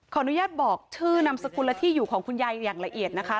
อนุญาตบอกชื่อนามสกุลและที่อยู่ของคุณยายอย่างละเอียดนะคะ